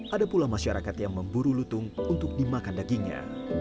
ada pula masyarakat yang memburu lutung untuk dimakan dagingnya